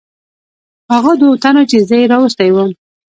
هغو دوو تنو چې زه یې راوستی ووم.